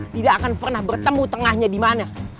tidak akan pernah bertemu tengahnya dimana